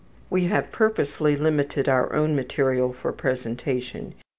We have purposely limited our own material for presentation.